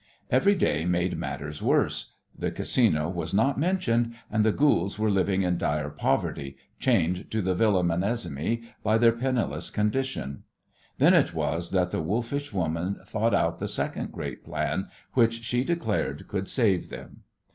Every day made matters worse. The Casino was not mentioned, and the Goolds were living in dire poverty, chained to the Villa Menesimy by their penniless condition. Then it was that the wolfish woman thought out the second great plan which she declared could save them.